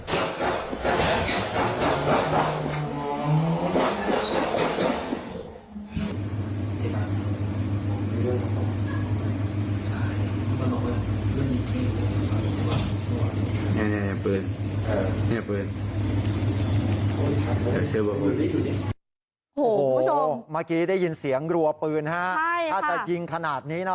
โอ้โหเมื่อกี้ได้ยินเสียงรัวปืนฮะถ้าจะยิงขนาดนี้นะ